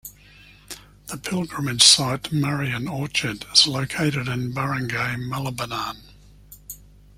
The pilgrimage site "Marian Orchard" is located in Barangay Malabanan.